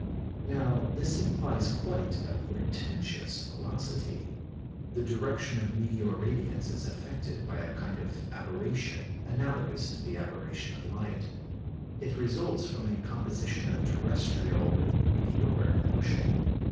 Now this implies quite a portentous velocity. The direction of meteor radiants is affected by a kind of aberration, analogous to the aberration of light. It results from a composition of terrestrial with meteoric motion.